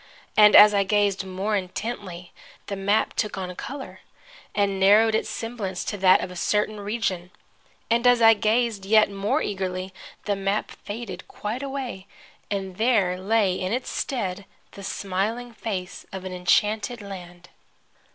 And as I gazed more intently the map took on color, and narrowed its semblance to that of a certain region. And as I gazed yet more eagerly the map faded quite away, and there lay in its stead the smiling face of an enchanted land.